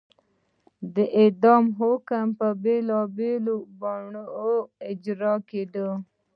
د اعدام حکم به په بېلابېلو بڼو اجرا کېده.